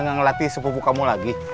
gak ngelatih sepupu kamu lagi